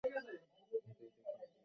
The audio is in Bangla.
হেঁটে হেঁটে কাজে যাক।